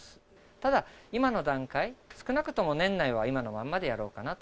ただ、今の段階、少なくとも年内は今のまんまでやろうかなと。